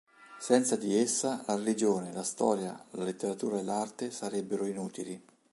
Senza di essa, la religione, la storia, la letteratura e l'arte sarebbero inutili".